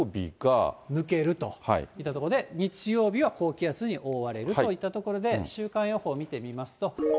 抜けるといったところで、日曜日は高気圧に覆われるといったところで、週間予報見てみますと。